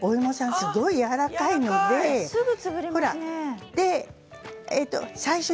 すごいやわらかいでしょ。